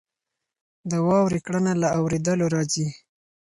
د واورې کړنه له اورېدلو راځي.